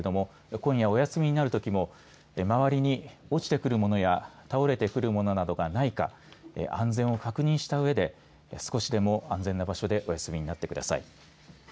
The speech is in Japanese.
今夜お休みになるときもまわりに落ちてくるものや倒れてくるものなどがないか安全を確認した上で少しでも安全な場所でお休みになってください。